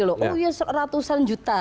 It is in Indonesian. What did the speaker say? oh iya seratusan juta